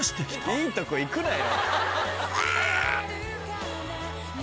いとこ行くなよ。